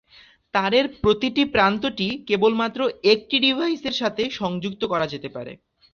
তারের প্রতিটি প্রান্তটি কেবলমাত্র একটি ডিভাইসের সাথে সংযুক্ত করা যেতে পারে।